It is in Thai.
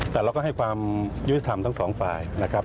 แต่เราก็ให้ความยุติธรรมทั้งสองฝ่ายนะครับ